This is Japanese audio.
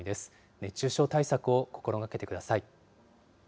熱中症対策を心がけてください。